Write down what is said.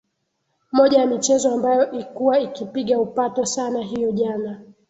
moja ya michezo ambayo ikuwa ikipiga upato sana hiyo jana